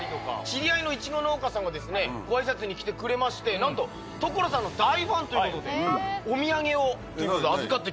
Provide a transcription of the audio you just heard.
知り合いのいちご農家さんがですねご挨拶に来てくれましてなんと所さんの大ファンという事でお土産を所さん預かってきました。